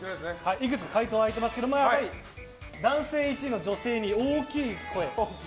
いくつか回答が開いていますけどやはり、男性１の女性２大きい声。